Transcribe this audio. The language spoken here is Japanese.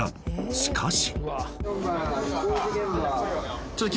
［しかし］